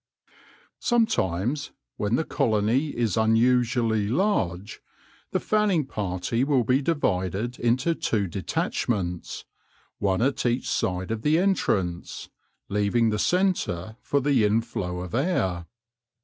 Sometimes, when the colony is unusually large, the fanning party will be divided into two detach ments, one at each side of the entrance, leaving the centre for the inflow of air.